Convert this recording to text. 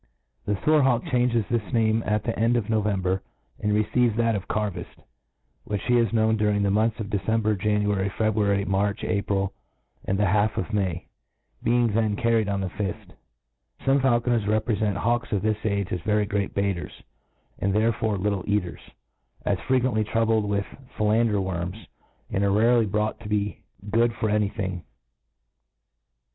^» The foar ^hawk cfiangcS this name at the end of November, and receives that of Carvift, which Ihe is known by during the months of Decem ber, January, February, March, April, and the half of May, being then carried oti the fift. Some faulconers reprefent hawks of this age as very great beaferss, and therefore little eaters ; as frequently tifoubled with filander worms^ and rarely brought tb'be good for any thing.